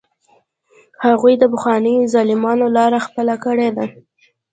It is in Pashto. هغوی د پخوانیو ظالمانو لاره خپله کړې ده.